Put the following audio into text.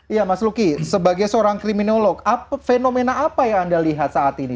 iya mas luki sebagai seorang kriminolog fenomena apa yang anda lihat saat ini